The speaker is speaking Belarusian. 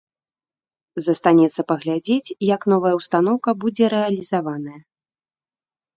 Застанецца паглядзець, як новая ўстаноўка будзе рэалізаваная.